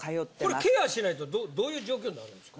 これケアしないとどういう状況になるんですか？